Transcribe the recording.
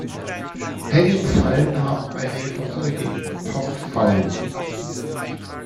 Penning-Fallen haben einige Vorteile gegenüber Paul-Fallen.